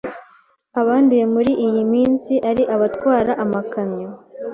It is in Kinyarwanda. abanduye muri iyi minsi ari abatwara amakamyo.